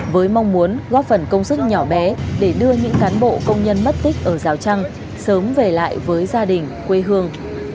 với mong muốn góp phần công sức nhỏ bé để đưa những cán bộ công nhân mất tích ở rào trăng sớm về lại với gia đình quê hương